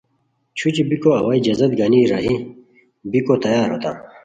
چھوچی بیکو اوا اجازت گانی راہی بیکو تیار ہوتام